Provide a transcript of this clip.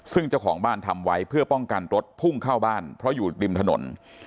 ซึ่งเจ้าของบ้านทำไว้เพื่อป้องกันรถพุ่งเข้าบ้านเพราะอยู่ริมถนน